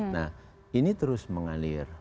nah ini terus mengalir